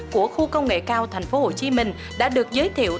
của khu công nghệ cao tp hcm đã được giới thiệu